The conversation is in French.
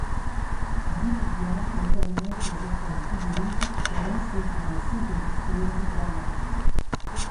Il étudia au collège des Écoles Pieuses de l'ancien couvent Saint Augustin d'Igualada.